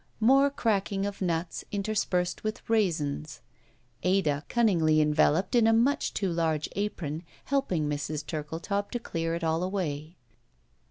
More cracking of nuts, interspersed with raisins. Ada, cunningly enveloped in a much too large apron, helping Mrs. Turkletaub to dear it all away.